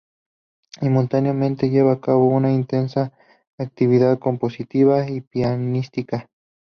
Simultáneamente lleva a cabo una intensa actividad compositiva y pianística.